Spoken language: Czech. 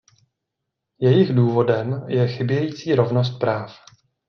Jejich důvodem je chybějící rovnost práv.